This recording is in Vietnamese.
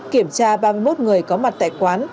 kiểm tra ba mươi một người có mặt tại quán